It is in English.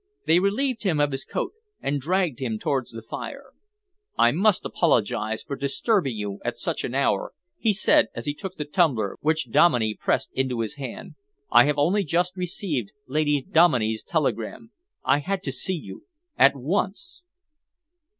They relieved him of his coat and dragged him towards the fire. "I must apologise for disturbing you at such an hour," he said, as he took the tumbler which Dominey pressed into his hand. "I have only just received Lady Dominey's telegram. I had to see you at once."